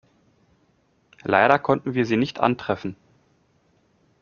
Leider konnten wir Sie nicht antreffen.